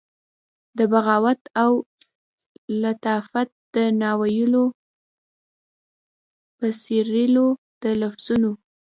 د بغاوت او لطافت د ناویلو پسرلیو د لفظونو،